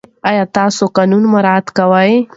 آیا تاسې قانون مراعات کوئ؟